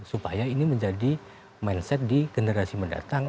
supaya ini menjadi mindset di generasi mendatang